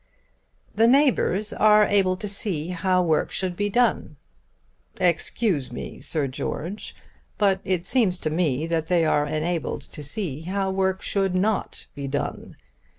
"The neighbours are able to see how work should be done." "Excuse me, Sir George, but it seems to me that they are enabled to see how work should not be done.